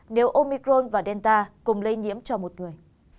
nếu omicron và delta cùng lây nhiễm cho một người